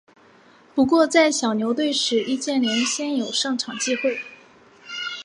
不过在小牛队时易建联鲜有上场机会。